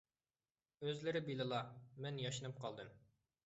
ئۆزلىرى بىلىلا، مەن ياشىنىپ قالدىم.